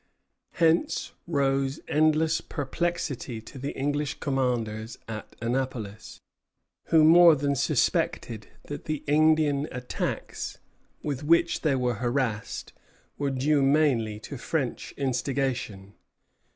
Hence rose endless perplexity to the English commanders at Annapolis, who more than suspected that the Indian attacks with which they were harassed were due mainly to French instigation.